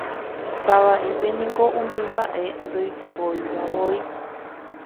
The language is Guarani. Tava'ípe niko umi mba'e ndoikoivavoi.